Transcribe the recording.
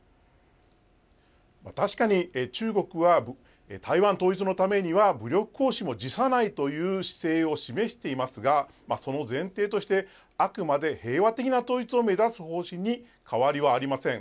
確かに中国は台湾統一のためには武力行使も辞さないという姿勢を示していますがその前提として、あくまで平和的な統一を目指す方針に変わりはありません。